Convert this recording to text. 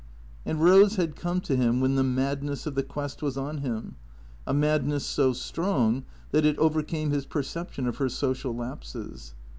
And Eose had come to him when the madness of the quest was on him, a madness so strong that it overcame his perception of her social lapses.